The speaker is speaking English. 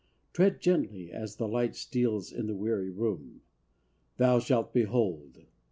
Tread gently as the light Steals in the weary room. Thou shalt behold.